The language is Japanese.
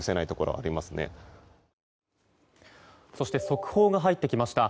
速報が入ってきました。